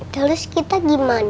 terus kita gimana